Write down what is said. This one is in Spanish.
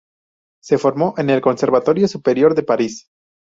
Se formó en el conservatorio Superior de París.